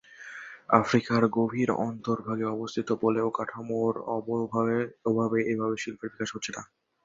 আফ্রিকার গভীর অভ্যন্তরভাগে অবস্থিত বলে ও অবকাঠামোর অভাবে এখানে শিল্পের বিকাশ হচ্ছে না।